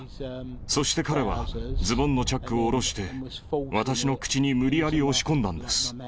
そして彼は、ズボンのチャックを下ろして、私の口に無理やり押し込んだんです。